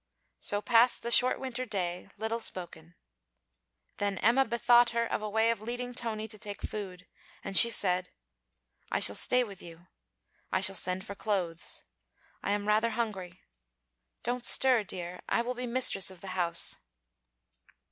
So passed the short winter day, little spoken. Then Emma bethought her of a way of leading Tony to take food, and she said: 'I shall stay with you; I shall send for clothes; I am rather hungry. Don't stir, dear. I will be mistress of the house.'